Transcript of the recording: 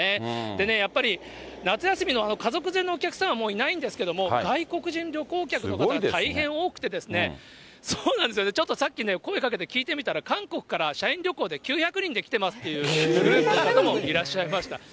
でね、やっぱり夏休みの家族連れのお客さんはもういないんですけれども、外国人旅行客の方が大変多くて、ちょっとさっきね、声かけて聞いてみたら、韓国から社員旅行で９００人で来てますっていう方もいらっしゃいました。